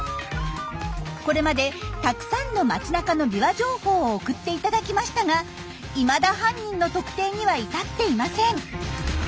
これまでたくさんの街なかのビワ情報を送っていただきましたがいまだ犯人の特定には至っていません。